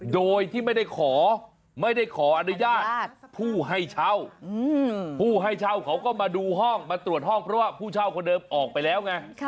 โดยที่ไม่ได้ขออัธยาชีพผู้ให้เช่าเขาก็มาดูห้องตรวจห้องเพราะว่าผู้เช่าคนเดิมออกไปแล้วไง